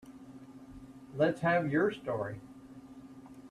Let's have your story.